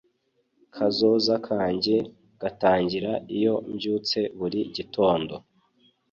kazoza kanjye gatangira iyo mbyutse buri gitondo